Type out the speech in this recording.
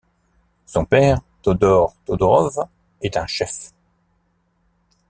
Son père Todor Todorov est un chef.